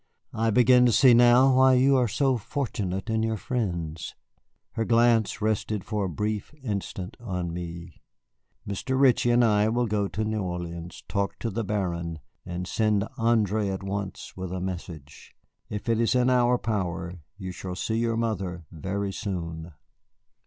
I begin to see now why you are so fortunate in your friends." Her glance rested for a brief instant on me. "Mr. Ritchie and I will go to New Orleans, talk to the Baron, and send André at once with a message. If it is in our power, you shall see your mother very soon."